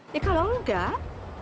ya kalau enggak